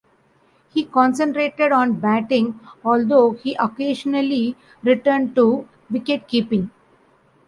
He concentrated on batting although he occasionally returned to wicketkeeping.